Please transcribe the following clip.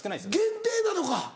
限定なのか。